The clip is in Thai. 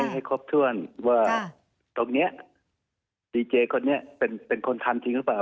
ให้ครบถ้วนว่าตรงนี้ดีเจคนนี้เป็นคนทำจริงหรือเปล่า